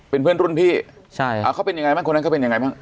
เป็นเพื่อนรุ่นพี่ใช่อ่าเขาเป็นยังไงบ้างคนนั้นเขาเป็นยังไงบ้าง